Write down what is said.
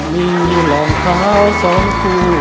มีรองเท้าสองคู่